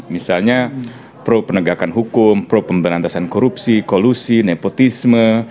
misalnya pro penegakan hukum pro pemberantasan korupsi kolusi nepotisme